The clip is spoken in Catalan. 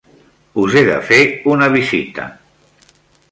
Us he de fer una visita.